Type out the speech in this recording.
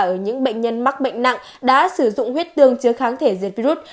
ở những bệnh nhân mắc bệnh nặng đã sử dụng huyết tương chứa kháng thể diệt virus